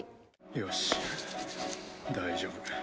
よし大丈夫。